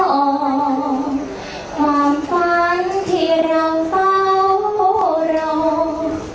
ความฟันที่เราเฝ้าโปรดรอง